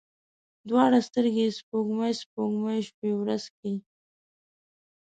دواړې سترګي یې سپوږمۍ، سپوږمۍ شوې ورځ کې